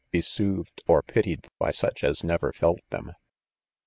be soothed 01 »pitied by such as never felt them.